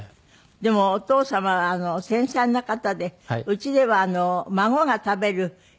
でもお父様は繊細な方で家では孫が食べるイチゴの毛を。